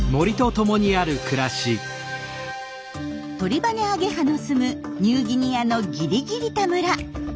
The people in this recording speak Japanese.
トリバネアゲハのすむニューギニアのギリギリタ村。